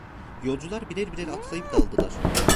Yolcular birer birer atlayıp dağıldılar.